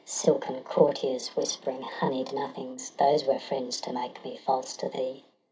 Silken courtiers whispering honied nothings — Those were friends to make me false to thee